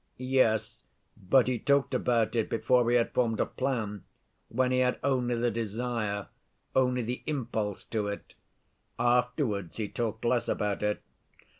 Yes, but he talked about it before he had formed a plan, when he had only the desire, only the impulse to it. Afterwards he talked less about it.